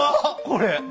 これ。